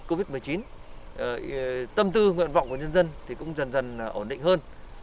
chống dịch covid một mươi chín tâm tư nguyện vọng của nhân dân cũng dần dần ổn định hơn